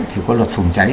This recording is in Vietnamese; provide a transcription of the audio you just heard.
thì có luật phòng cháy